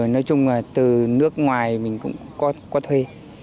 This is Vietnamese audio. nói chung là từ nước ngoài mình cũng có thuê